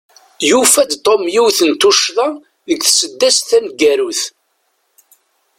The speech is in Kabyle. Yufa-d Tom yiwet n tuccḍa deg tsedast taneggarut.